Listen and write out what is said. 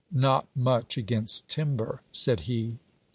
'Not much against timber,' said he.